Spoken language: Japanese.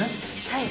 はい。